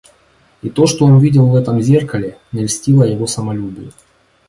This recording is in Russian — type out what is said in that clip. И то, что он видел в этом зеркале, не льстило его самолюбию.